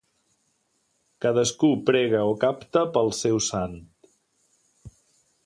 Cadascú prega o capta pel seu sant.